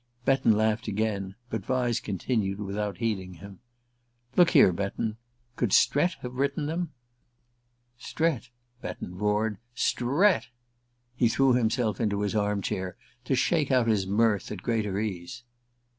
Betton laughed again, but Vyse continued without heeding him: "Look here, Betton could Strett have written them?" "Strett?" Betton roared. "_ Strett?_" He threw himself into his arm chair to shake out his mirth at greater ease.